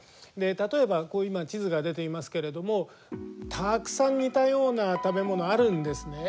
例えばここに今地図が出ていますけれどもたくさん似たような食べものあるんですね。